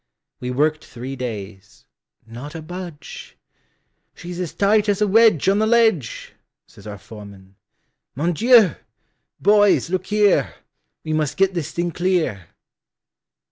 We worked three days—not a budge!"She 's as tight as a wedgeOn the ledge,"Says our foreman:"Mon Dieu! boys, look here, We must get this thing clear."